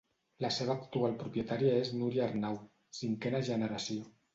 La seva actual propietària és Núria Arnau, cinquena generació.